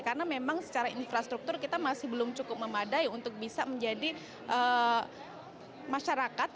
karena memang secara infrastruktur kita masih belum cukup memadai untuk bisa menjadi masyarakat